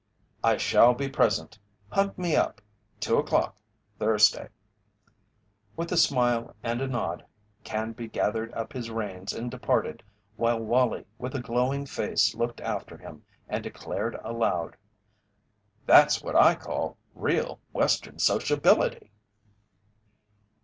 "I shall be present hunt me up two o'clock, Thursday." With a smile and a nod Canby gathered up his reins and departed while Wallie with a glowing face looked after him and declared aloud: "That's what I call real Western sociability!"